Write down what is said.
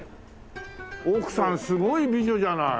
奥さんすごい美女じゃない。